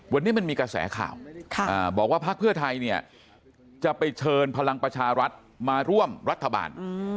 วันนี้มันมีกระแสข่าวบอกว่าพักเพื่อไทยเนี่ยจะไปเชิญพลังประชารัฐมาร่วมรัฐบาล